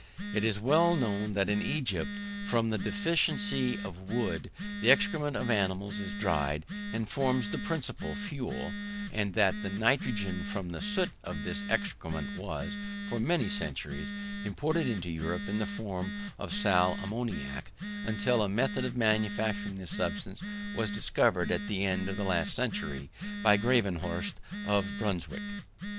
It is well known that in Egypt, from the deficiency of wood, the excrement of animals is dried, and forms the principal fuel, and that the nitrogen from the soot of this excrement was, for many centuries, imported into Europe in the form of sal ammoniac, until a method of manufacturing this substance was discovered at the end of the last century by Gravenhorst of Brunswick.